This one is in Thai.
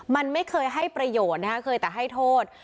มันไม่เคยให้ประโยชน์นะคะเคยแต่ให้โทษ